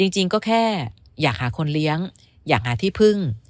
จริงก็แค่อยากหาคนเลี้ยงอยากหาที่พึ่ง